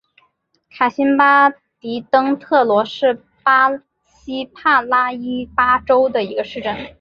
卡辛巴迪登特罗是巴西帕拉伊巴州的一个市镇。